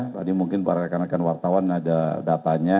tadi mungkin para rekan rekan wartawan ada datanya